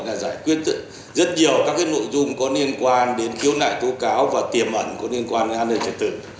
là giải quyết rất nhiều các nội dung có liên quan đến khiếu nại tố cáo và tiềm ẩn có liên quan đến an ninh trật tự